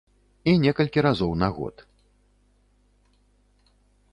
І некалькі разоў на год.